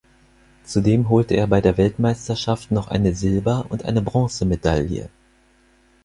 Zudem holte er bei der Weltmeisterschaft noch eine Silber- und eine Bronzemedaille.